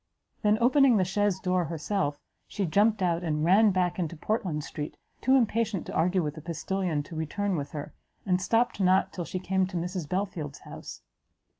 then, opening the chaise door herself, she jumpt out, and ran back into Portland street, too impatient to argue with the postilion to return with her, and stopt not till she came to Mrs Belfield's house.